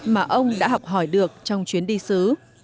mà ông đã học hỏi được trong chuyến đi xứ